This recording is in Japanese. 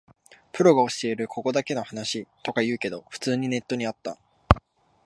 プロが教えるここだけの話とか言うけど、普通にネットにあった